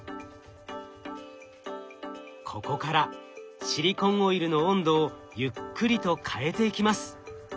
ここからシリコンオイルの温度をゆっくりと変えていきます。